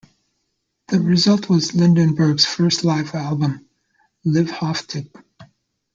The result was Lindenberg's first live album "Livehaftig".